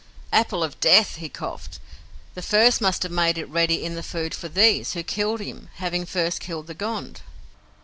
"Apple of Death," he coughed. "The first must have made it ready in the food for THESE, who killed him, having first killed the Gond."